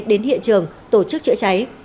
đến hiện trường tổ chức chữa cháy